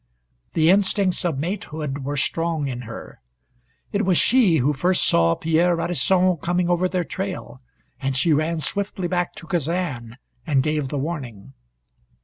The instincts of matehood were strong in her. It was she who first saw Pierre Radisson coming over their trail, and she ran swiftly back to Kazan and gave the warning.